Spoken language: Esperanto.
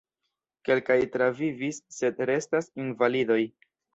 Kelkaj travivis sed restas invalidoj.